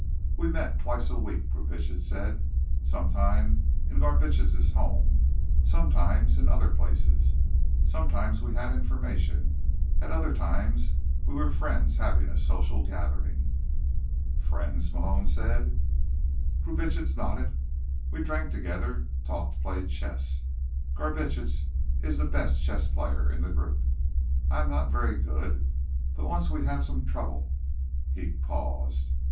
"We met twice a week," Brubitsch said. "Sometimes in Garbitsch's home, sometimes in other places. Sometimes we had information. At other times, we were friends, having a social gathering." "Friends?" Malone said. Brubitsch nodded. "We drank together, talked, played chess. Garbitsch is the best chess player in the group. I am not very good. But once we had some trouble." He paused.